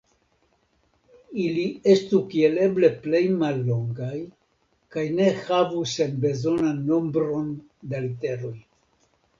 Ili estu kiel eble plej mallongaj kaj ne havu senbezonan nombron da literoj.